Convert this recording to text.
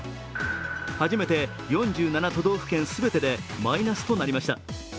初めて４７都道府県全てでマイナスとなりました。